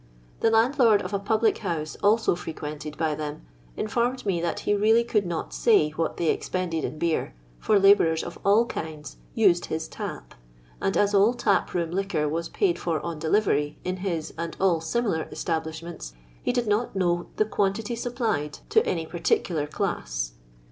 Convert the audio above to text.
The land lord of a public house also fireqnented by them in formed me that he really could not say what they expended in beer, for labourers of all kinds " used his tap," and as all tap room liquor was paid for on delivery in his and all similar establishments, he did not know the quantity supplied to any particular class.